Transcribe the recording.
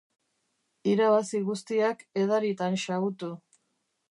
Irabazi guztiak edaritan xahutu.